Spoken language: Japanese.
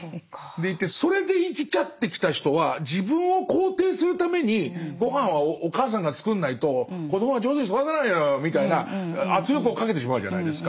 でいてそれで生きちゃってきた人は自分を肯定するためにごはんはお母さんが作んないと子どもは上手に育たないのよみたいな圧力をかけてしまうじゃないですか。